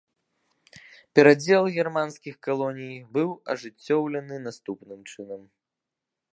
Перадзел германскіх калоній быў ажыццёўлены наступным чынам.